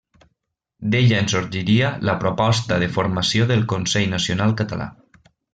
D'ella en sorgiria la proposta de formació del Consell Nacional Català.